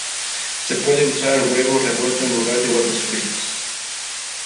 Se puede usar huevo revuelto en lugar de huevos fritos.